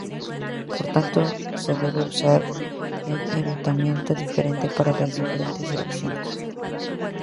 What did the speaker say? Por tanto, se debe usar un enrutamiento diferente para las diferentes direcciones.